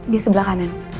di sebelah kanan